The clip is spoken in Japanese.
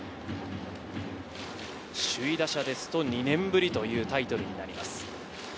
首位打者ですと２年ぶりというタイトルになります。